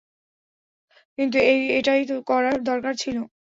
কিন্তু, এটাই তো করার দরকার ছিল!